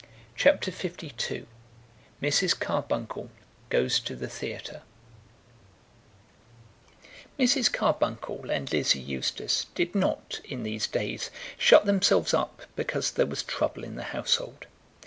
CHAPTER LII Mrs. Carbuncle Goes to the Theatre Mrs. Carbuncle and Lizzie Eustace did not, in these days, shut themselves up because there was trouble in the household.